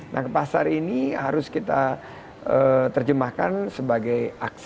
nah pasar ini harus kita terjemahkan sebagai akses